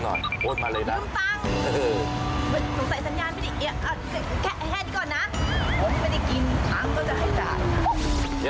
สงสัยสัญญาณไม่ได้